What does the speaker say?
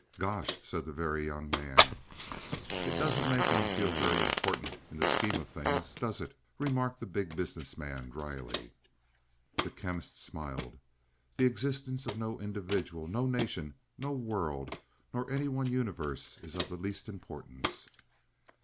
"Gosh!" said the Very Young Man. "It doesn't make one feel very important in the scheme of things, does it?" remarked the Big Business Man dryly. The Chemist smiled. "The existence of no individual, no nation, no world, nor any one universe is of the least importance."